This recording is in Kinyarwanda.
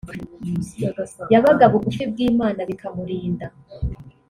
yabaga bugufi bw’Imana bikamurinda